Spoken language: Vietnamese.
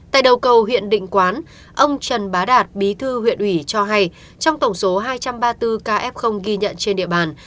tại đầu cầu huyện định quán ông trần bá đạt bí thư huyện ủy cho hay trong tổng số hai trăm ba mươi bốn kf ghi nhận trên địa bàn